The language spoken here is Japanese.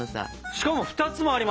しかも２つもあります。